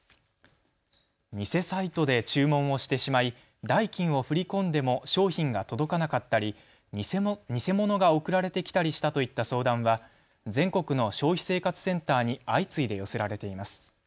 偽サイトで注文をしてしまい代金を振り込んでも商品が届かなかったり、偽物が送られてきたりしたといった相談は全国の消費生活センターに相次いで寄せられています。